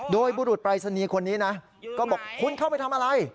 โดยบุรุษปรายศนีย์คนนี้นะก็บอกคุณเข้าไปทำอะไร